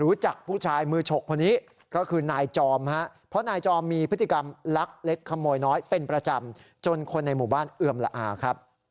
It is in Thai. รู้จักผู้ชายมือฉกคนนี้ก็คือนายจอมฮะเพราะนายจอมมีพฤติกรรมลักเล็กขโมยน้อยเป็นประจำจนคนในหมู่บ้านเอือมละอาครับ